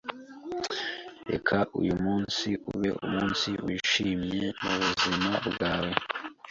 Reka uyu munsi ube umunsi wishimye mubuzima bwawe.